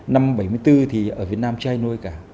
năm một nghìn chín trăm bảy mươi bốn thì ở việt nam chưa ai nuôi cả